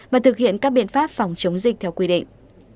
và thực hiện các biện pháp phòng chống dịch theo quy định